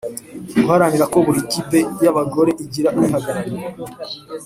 Guharanira ko buri kipe y abagore igira uyihagarariye